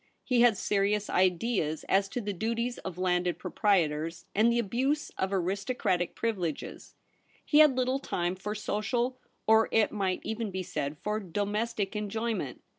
He had serious ideas as to the duties of landed pro prietors, and the abuse of aristocratic privi leges. He had little time for social, or, it might even be said, for domestic enjoyment.